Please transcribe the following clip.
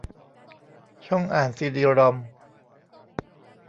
ช่องอ่านซีดีรอม